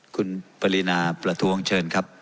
คุณปรินาประท้วงเชิญครับ